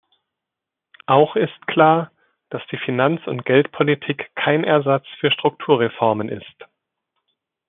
Auch ist klar, dass die Finanz- und Geldpolitik kein Ersatz für Strukturreformen ist.